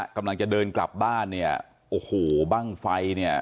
กำลังจะเดินกลับบ้านเนี่ยโอ้โหบ้างไฟเนี่ย